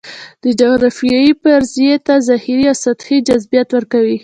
دا جغرافیوي فرضیې ته ظاهري او سطحي جذابیت ورکوي.